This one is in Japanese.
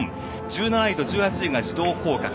１７位と１８位が自動降格。